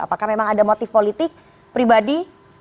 apakah memang ada motif politik pribadi